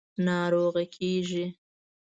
– ناروغه کېږې.